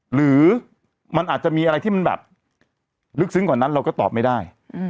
หรือมันอาจจะมีอะไรที่มันแบบลึกซึ้งกว่านั้นเราก็ตอบไม่ได้